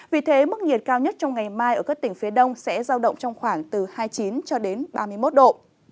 vì thế mức nhiệt cao nhất trong ngày mai ở các tỉnh phía đông sẽ giao động trong khoảng từ hai mươi chín cho đến ba mươi một độ